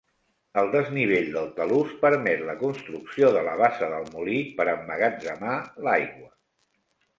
El desnivell del talús permet la construcció de la bassa del molí per emmagatzemar l'aigua.